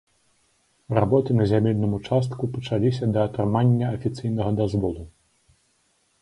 Работы на зямельным участку пачаліся да атрымання афіцыйнага дазволу.